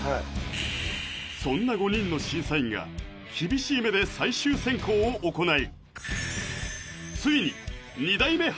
そんな５人の審査員が厳しい目で最終選考を行い